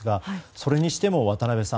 それにしても渡辺さん